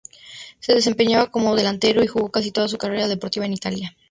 Se desempeñaba como delantero y jugó casi toda su carrera deportiva en Italia.